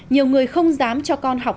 nhiều người không dám cho con học